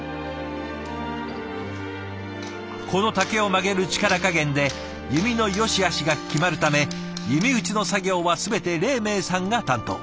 この竹を曲げる力加減で弓のよしあしが決まるため弓打ちの作業は全て黎明さんが担当。